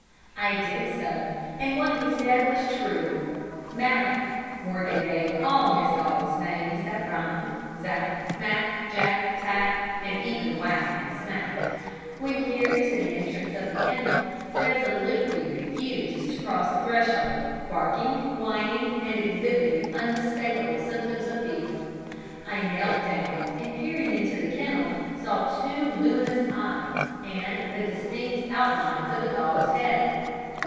I did so, and what he said was true. Mack (Morgan gave all his dogs names that rhymed Zack, Mack, Jack, Tack, and even Whack and Smack), when carried to the entrance of the kennel, resolutely refused to cross the threshold, barking, whining, and exhibiting unmistakable symptoms of fear. I knelt down, and peering into the kennel saw two luminous eyes and the distinct outlines of a dog's head.